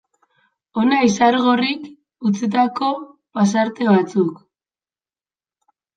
Hona Izargorrik utzitako pasarte batzuk.